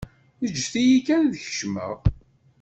Eǧǧet-iyi kan ad kecmeɣ.